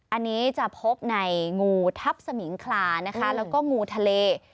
อันนี้จะพบในงูทัพสมิงคลานะคะแล้วก็งูทะเล